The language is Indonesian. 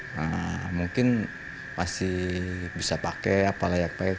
nah mungkin pasti bisa pakai apa layak pakai